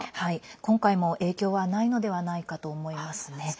今回も影響はないのではないかと思いますね。